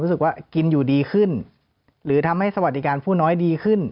คิดว่ากินอยู่ดีขึ้นหรือทำให้สวัสดิการผู้น้อยดีขึ้น